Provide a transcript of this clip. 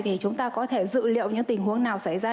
thì chúng ta có thể dự liệu những tình huống nào xảy ra